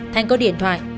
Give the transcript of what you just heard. thanh có điện thoại